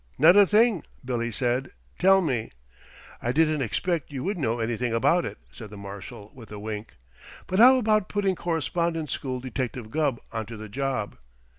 "Not a thing!" Billy said. "Tell me." "I didn't expect you would know anything about it," said the Marshal with a wink. "But how about putting Correspondence School Detective Gubb onto the job?"